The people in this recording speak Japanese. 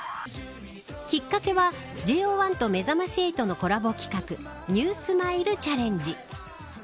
きっかけはＪＯ１とめざまし８のコラボ企画ＮＥＷＳｍｉｌｅチャレンジ。